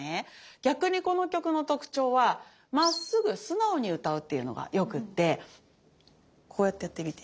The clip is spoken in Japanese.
逆にこの曲の特徴はまっすぐ素直に歌うっていうのがよくってこうやってやってみて。